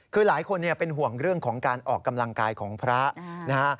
คือหลายคนเป็นห่วงเรื่องของการออกกำลังกายของพระนะฮะ